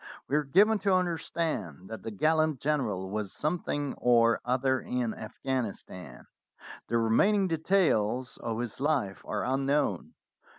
We are given to understand that the gallant general was something or other in Afghanis tan. The remaining details of his life are unknown.